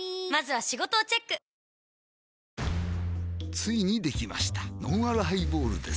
ついにできましたのんあるハイボールです